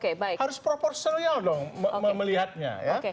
harus proportional dong melihatnya